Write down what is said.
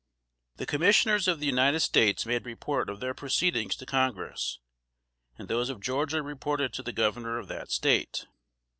The Commissioners of the United States made report of their proceedings to Congress; and those of Georgia reported to the governor of that State.